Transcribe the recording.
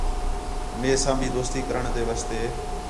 میساں بھی دوستی کرݨ تے واسطے